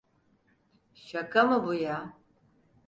Şaka mı bu ya?